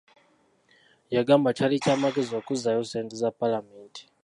Yagamba kyali kya magezi okuzzaayo ssente za paalamenti.